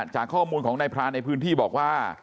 จากข้อมูลของนายพรานในพื้นที่บอกว่า